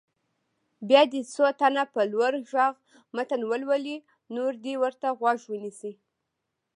بیا دې څو تنه په لوړ غږ متن ولولي نور دې ورته غوږ ونیسي.